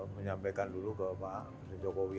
menyampaikan dulu ke pak jokowi